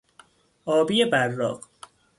آبی براق